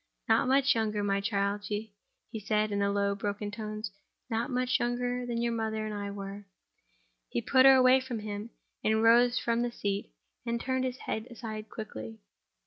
"Not much younger, my child," he said, in low, broken tones—"not much younger than your mother and I were." He put her away from him, and rose from the seat, and turned his head aside quickly.